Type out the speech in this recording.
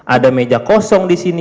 ada meja kosong disini